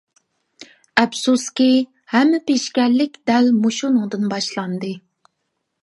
ئەپسۇسكى، ھەممە پېشكەللىك دەل مۇشۇنىڭدىن باشلاندى.